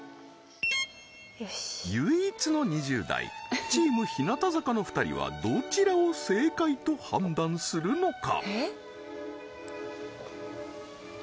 唯一の２０代チーム日向坂の２人はどちらを正解と判断するのか？